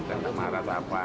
tentang marah atau apa